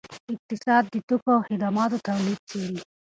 اقتصاد د توکو او خدماتو تولید څیړي.